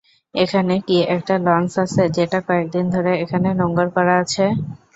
এখানে কি একটা লঞ্চ আছে যেটা কয়েকদিন ধরে এখানে নোঙ্গর করা আছে?